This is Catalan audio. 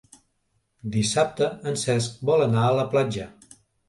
Dissabte en Cesc vol anar a la platja.